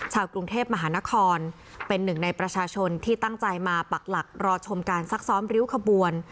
กรุงเทพมหานครเป็นหนึ่งในประชาชนที่ตั้งใจมาปักหลักรอชมการซักซ้อมริ้วขบวน